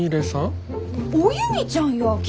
おゆみちゃんや！